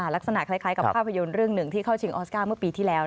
ลักษณะคล้ายกับภาพยนตร์เรื่องหนึ่งที่เข้าชิงออสการ์เมื่อปีที่แล้ว